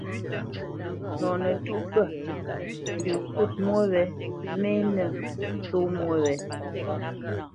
Nɔ ntə̌tûʼ pə̂, ndə kût mwô wě mê nə̂ só mwô wě.